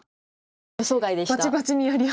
予想外でした。